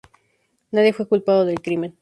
Nadie fue culpado del crimen.